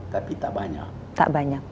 tapi tidak banyak